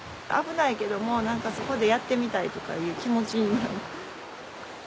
危ないけどもそこでやってみたいとかいう気持ちになる。